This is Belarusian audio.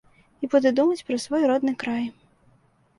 І буду думаць пра свой родны край.